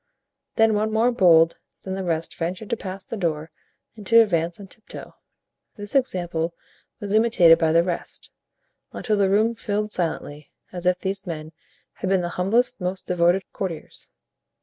Then one more bold than the rest ventured to pass the door and to advance on tiptoe. This example was imitated by the rest, until the room filled silently, as if these men had been the humblest, most devoted courtiers.